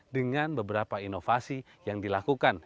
dengan beberapa inovasi yang dilakukan